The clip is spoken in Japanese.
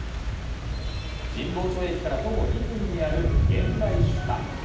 神保町駅から徒歩２分にある源来酒家。